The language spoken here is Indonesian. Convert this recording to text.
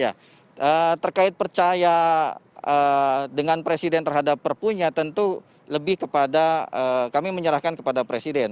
ya terkait percaya dengan presiden terhadap perpunya tentu lebih kepada kami menyerahkan kepada presiden